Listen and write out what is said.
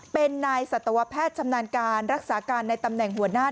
เป็นนายสัตวแพทย์ชำนาญการรักษาการในตำแหน่งหัวหน้า